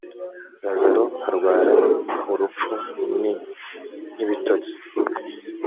lazaro arwara urupfu ni nk ibitotsi